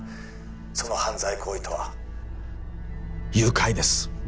その犯罪行為とは誘拐です